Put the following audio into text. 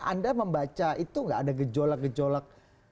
anda membaca itu nggak ada gejolak gejolak